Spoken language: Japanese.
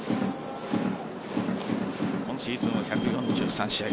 今シーズン１４３試合